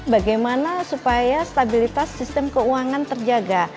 bagaimana supaya stabilitas sistem keuangan terjaga